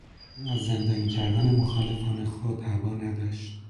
او از زندانی کردن مخالفان خود ابا نداشت.